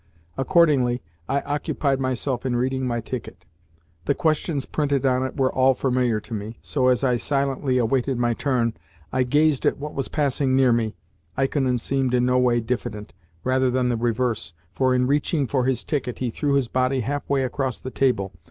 Accordingly, I occupied myself in reading my ticket. The questions printed on it were all familiar to me, so, as I silently awaited my turn, I gazed at what was passing near me, Ikonin seemed in no way diffident rather the reverse, for, in reaching for his ticket, he threw his body half way across the table.